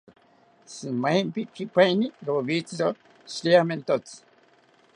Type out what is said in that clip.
Shimaempikipaeni rowitziro shiriamentotzi